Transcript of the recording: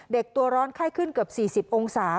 ตัวร้อนไข้ขึ้นเกือบ๔๐องศา